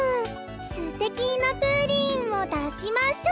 「すてきなプリンをだしましょう！」